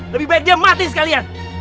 lebih baik dia mati sekalian